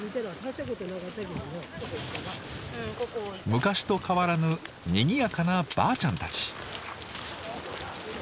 昔と変わらぬにぎやかなばあちゃんたち。